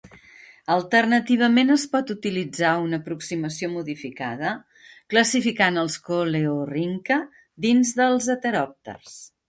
Alternativament, es pot utilitzar una aproximació modificada classificant els coleorrhyncha dins dels heteròpters.